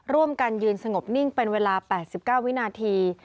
ร่วมกันยืนสงบนิ่งเป็นเวลา๘๙วินาที